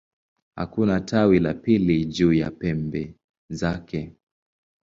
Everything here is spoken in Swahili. Hakuna tawi la pili juu ya pembe zake.